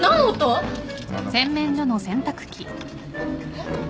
えっ？